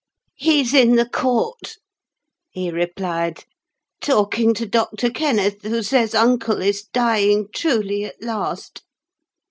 "He's in the court," he replied, "talking to Doctor Kenneth; who says uncle is dying, truly, at last.